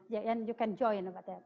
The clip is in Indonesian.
dan anda juga bisa bergabung